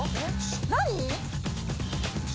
何？